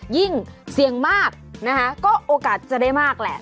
ยิ่งเสี่ยงมากนะคะก็โอกาสจะได้มากแหละ